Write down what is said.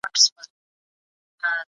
پيغمبر د حق پلوي او د باطل سره مقابله کوله.